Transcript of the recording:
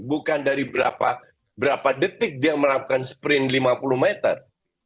bukan dari berapa detik dia melakukan sprint lima puluh meter